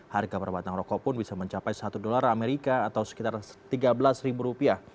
harga perbatang rokok pun bisa mencapai rp satu atau sekitar rp tiga belas